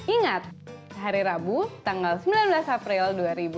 ingat hari rabu tanggal sembilan belas april dua ribu dua puluh